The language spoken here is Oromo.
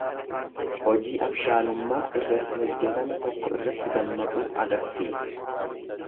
Hojii abshaalummaa irratti hojjetame tokko irratti dammaquu agarsiisa.